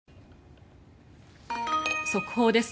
速報です。